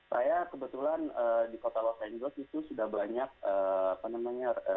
saya kebetulan di kota los angeles itu sudah banyak apa namanya